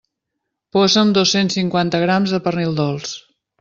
Posa'm dos-cents cinquanta grams de pernil dolç.